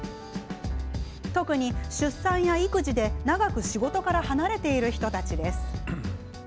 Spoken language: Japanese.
特に出産や育児で、長く仕事から離れている人たちです。